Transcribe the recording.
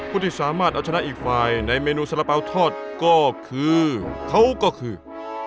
ผู้ที่สามารถเอาชนะอีกฝ่ายในเมนูสาระเป๋าทอดก็คือเขาก็คือ